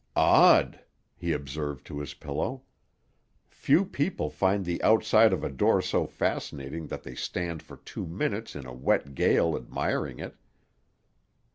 "Odd!" he observed to his pillow. "Few people find the outside of a door so fascinating that they stand for two minutes in a wet gale admiring it."